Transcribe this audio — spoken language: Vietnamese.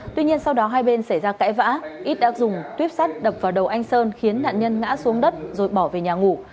tuy nhiên sau đó hai bên xảy ra cãi vã ít đã dùng tuyếp sắt đập vào đầu anh sơn khiến nạn nhân ngã xuống đất rồi bỏ về nhà ngủ